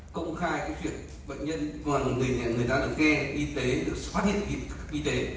công khai cái chuyện bệnh nhân mà người ta được nghe y tế được phát hiện y tế